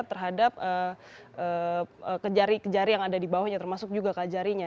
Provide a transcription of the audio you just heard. terhadap kejari kejari yang ada di bawahnya termasuk juga kajarinya